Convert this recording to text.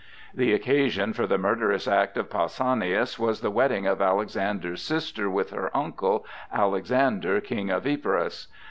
The occasion for the murderous act of Pausanias was the wedding of Alexander's sister with her uncle Alexander, King of Epirus.